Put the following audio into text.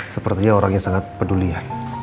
sepertinya orangnya sangat peduli ya